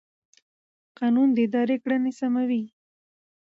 قانون د ادارې کړنې سموي.